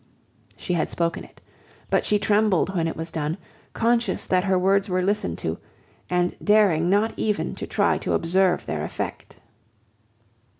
She had spoken it; but she trembled when it was done, conscious that her words were listened to, and daring not even to try to observe their effect.